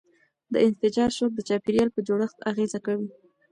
د انفجار شوک د چاپیریال په جوړښت اغېزه کوي.